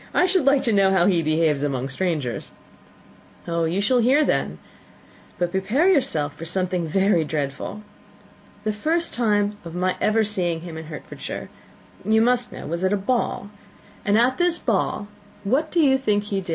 "I should like to know how he behaves among strangers." "You shall hear, then but prepare for something very dreadful. The first time of my ever seeing him in Hertfordshire, you must know, was at a ball and at this ball, what do you think he did?